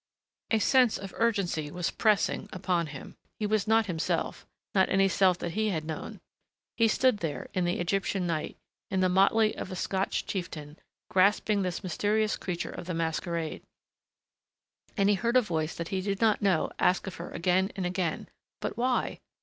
A sense of urgency was pressing upon him. He was not himself, not any self that he had known. He stood there, in the Egyptian night, in the motley of a Scotch chieftain, grasping this mysterious creature of the masquerade, and he heard a voice that he did not know ask of her again and again, "But why? Why?